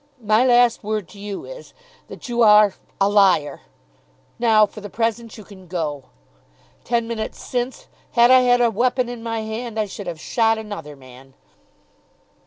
My last word to you is, that you are a liar. Now for the present you can go. Ten minutes since, had I had a weapon in my hand I should have shot another man."